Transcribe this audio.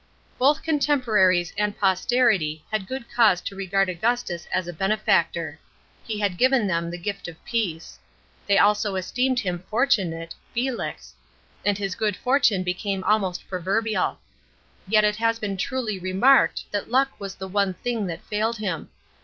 § 13. Both contemporaries and posterity had good cause to regard Augustus as a benefactor ; he had given them the gift of peace. They also esteemed him fortunate (felix) ; and his good fortune became almost proverbial. Yet it has been truly remarked that luck was the one thing that failed him.